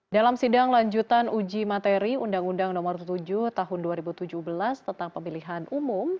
dalam sidang lanjutan uji materi undang undang nomor tujuh tahun dua ribu tujuh belas tentang pemilihan umum